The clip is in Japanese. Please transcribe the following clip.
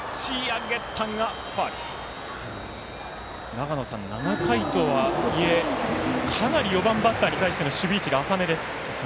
長野さん、７回とはいえかなり４番バッターに対しての守備位置が浅めです。